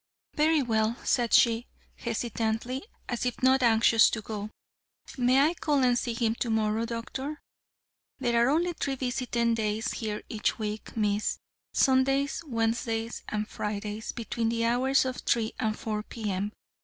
"Very well," said she, hesitatingly, as if not anxious to go. "May I call and see him tomorrow, Doctor?" "There are only three visiting days here each week, Miss; Sundays, Wednesdays and Fridays, between the hours of three and four P. M.